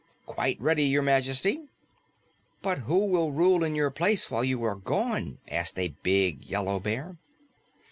"Quite ready, Your Majesty." "But who will rule in your place while you are gone?" asked a big Yellow Bear.